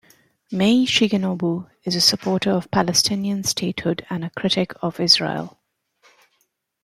Mei Shigenobu is a supporter of Palestinian statehood and a critic of Israel.